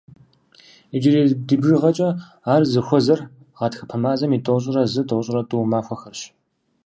Иджырей ди бжыгъэкӀэ ар зыхуэзэр гъатхэпэ мазэм и тӏощӏрэ зы-тӏощӏрэ тӏу махуэхэрщ.